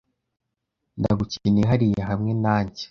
Ndagukeneye hariya hamwe nanjye.